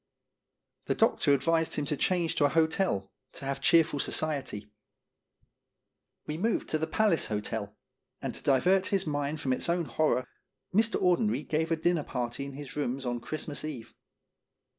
The doctor advised him to change to a hotel, 222 Qt Sroorn Statement. to have cheerful society. We moved to the Palace Hotel, and to divert his mind from its own horror Mr. Audenried gave a dinner party in his rooms on Christmas Eve.